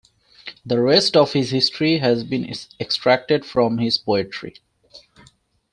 The rest of his history has been extracted from his poetry.